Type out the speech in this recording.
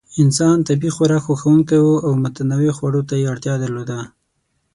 انسان طبیعي خوراک خوښونکی و او متنوع خوړو ته یې اړتیا درلوده.